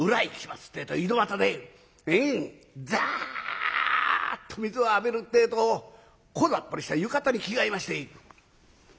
ってえと井戸端でザッと水を浴びるってえとこざっぱりした浴衣に着替えまして。